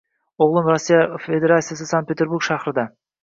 O‘g‘lim Rossiya Federatsiyasidagi Sankt - Peterburg shahrida